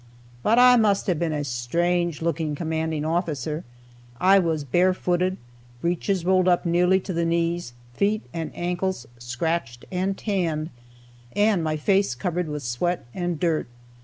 But I must have been a strange looking "commanding officer." I was barefooted, breeches rolled up nearly to the knees, feet and ankles "scratched and tanned," and my face covered with sweat and dirt.